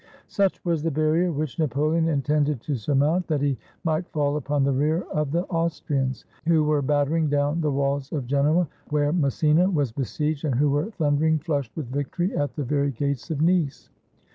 Such was the barrier which Napoleon intended to sur mount, that he might fall upon the rear of the Aus trians, who were battering down the walls of Genoa, where Massena was besieged, and who were thundering, flushed with victory, at the very gates of Nice.